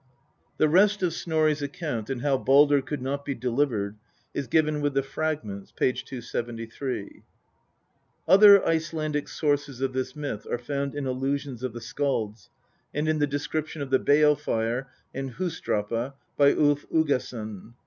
The rest of Snorri's account and how Baldr could not be delivered is given with the Fragments (p. 273). Other Icelandic sources of this myth are found in allusions of the skalds, and in the description of the bale fire in Hus drapa by Ulf Uggason.